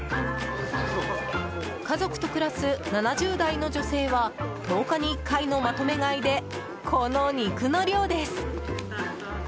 家族と暮らす７０代の女性は１０日に１回のまとめ買いでこの肉の量です。